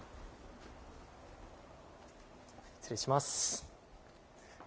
失礼します。